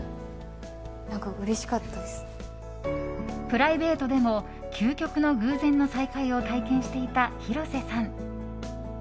プライベートでも究極の偶然の再会を体験していた、広瀬さん。